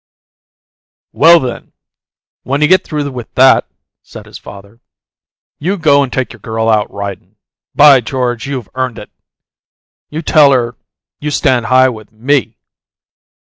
"Well, then, when you get through with that," said his father, "you go and take your girl out ridin'. By George! you've earned it! You tell her you stand high with ME!"